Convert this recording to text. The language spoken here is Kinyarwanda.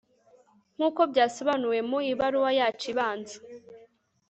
Nkuko byasobanuwe mu ibaruwa yacu ibanza